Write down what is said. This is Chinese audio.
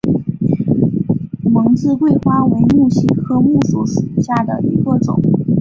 蒙自桂花为木犀科木犀属下的一个种。